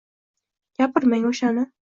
Gapirmang o’shani!..